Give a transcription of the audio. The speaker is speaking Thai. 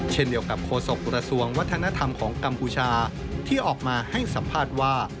เช่นเดียวกับโฆษกระทรวงวัฒนธรรมของกัมพูชาที่ออกมาให้สัมภาษณ์ว่า